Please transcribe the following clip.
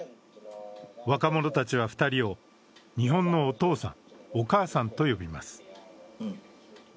若者たちは２人を日本のお父さん、お母さんと呼びます。